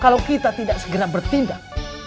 kalau kita tidak segera bertindak